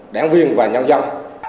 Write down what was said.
đảng viên và nhân dân